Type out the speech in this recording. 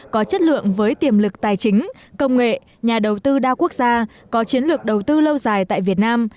có chất lượng với tiềm lực tài chính công nghệ nhà đầu tư đa quốc gia có chiến lược đầu tư lâu dài tại việt nam